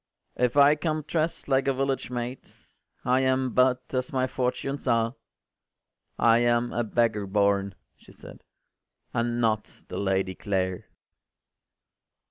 ” “If I come drest like a village maid, I am but as my fortunes are: I am a beggar born,” she said, “And not the Lady Clare.